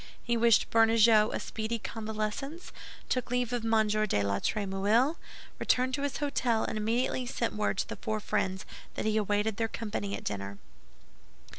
He wished Bernajoux a speedy convalescence, took leave of M. de la Trémouille, returned to his hôtel, and immediately sent word to the four friends that he awaited their company at dinner.